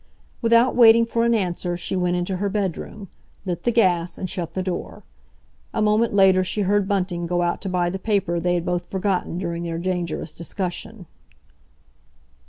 Without waiting for an answer, she went into her bedroom, lit the gas, and shut the door. A moment later she heard Bunting go out to buy the paper they had both forgotten during their dangerous discussion.